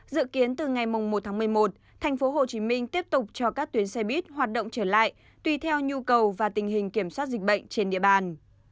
dự kiến từ ngày một một mươi một thành phố hồ chí minh tiếp tục cho các tuyến xe buýt hoạt động trở lại tùy theo nhu cầu và tình hình kiểm soát dịch bệnh trên địa bàn